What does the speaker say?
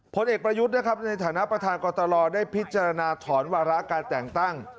ผลเอกประยุทธ์นะครับในฐานะประธานกรตลได้พิจารณาถอนวาระการแต่งตั้ง